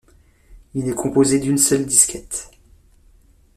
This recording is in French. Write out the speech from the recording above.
Il est composé d'une seule disquette.